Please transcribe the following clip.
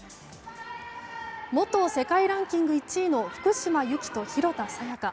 元世界ランキング１位の福島由紀と廣田彩花。